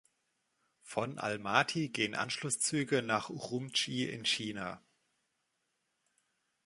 Von Almaty gehen Anschlusszüge nach Urumchi in China.